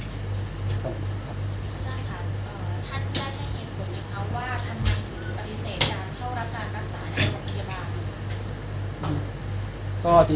ท่านจ้างค่ะท่านได้ยินคุณนะครับว่าทำไมคุณปฏิเสธการเข้ารับการรักษาในโรงพยาบาล